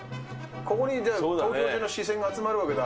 ここに東京中の視線が集まるわけだ。